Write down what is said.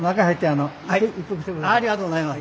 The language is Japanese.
ありがとうございます。